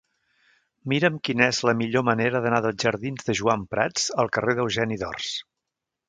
Mira'm quina és la millor manera d'anar dels jardins de Joan Prats al carrer d'Eugeni d'Ors.